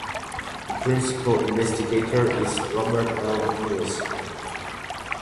The principal investigator is Robert L. Millis.